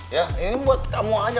ya ini buat kamu aja